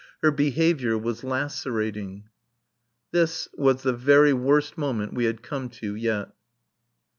Her behaviour was lacerating. This was the very worst moment we had come to yet.